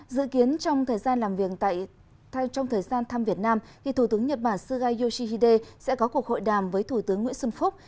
dự kiến trong thời gian thăm việt nam thủ tướng nhật bản suga yoshihide sẽ có cuộc hội đàm với thủ tướng nguyễn xuân phúc